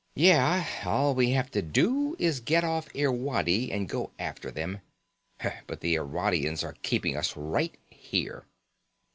"Yeah, all we have to do is get off Irwadi and go after them. But the Irwadians are keeping us right here."